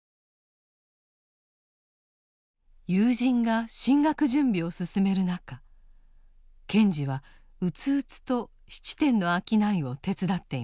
友人が進学準備を進める中賢治は鬱々と質店の商いを手伝っていました。